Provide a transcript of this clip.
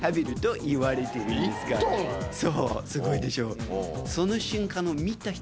１ｔ⁉そうすごいでしょ。